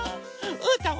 うーたんは？